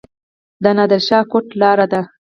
د نادر شاه کوټ لاره ده